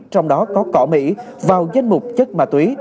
trong đó có cỏ mỹ vào danh mục chất ma túy